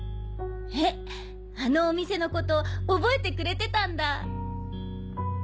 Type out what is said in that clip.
「えっあのお店のこと覚えてくれてたんだ」。